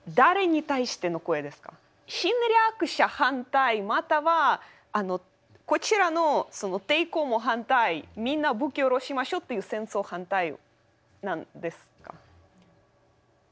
侵略者反対またはこちらの抵抗も反対みんな武器を下ろしましょうっていう戦争反対なんですか？